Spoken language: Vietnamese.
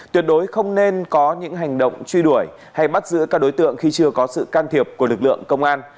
tuyệt đối không nên có những hành động truy đuổi hay bắt giữ các đối tượng khi chưa có sự can thiệp của lực lượng công an